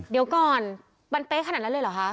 เดี๋ยวก่อนมันเป๊ะขนาดนั้นเลยเหรอคะ